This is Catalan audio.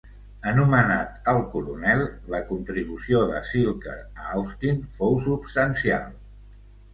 Anomenat "el Coronel", la contribució de Zilker a Austin fou substancial.